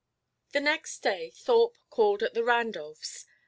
XIV The next day Thorpe called at the Randolphs'.